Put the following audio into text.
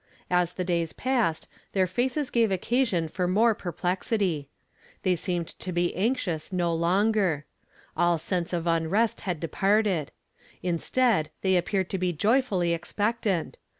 As the days passed, their faces gave occasion for more perplexity. They seemed to h^ anxious no longer. All sense of unrest had departed ; instead, they appeared to be joy fully expectant.